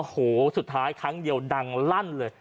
โหสุดท้ายครั้งเดียวดังลั่นเลย